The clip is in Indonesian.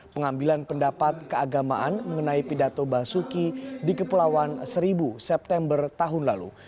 pengambilan pendapat keagamaan mengenai pidato basuki di kepulauan seribu september tahun lalu